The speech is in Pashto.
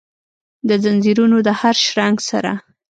دځنځیرونو د هرشرنګ سره،